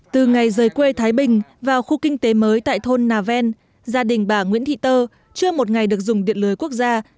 từ ngày rời quê thái bình vào khu kinh tế mới tại thôn nà ven gia đình bà nguyễn thị tơ chưa một ngày được dùng điện lưới quốc gia